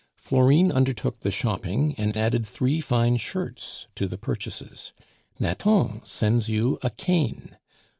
Florine undertook the shopping, and added three fine shirts to the purchases. Nathan sends you a cane.